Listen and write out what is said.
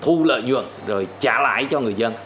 thu lợi dưỡng rồi trả lãi cho người dân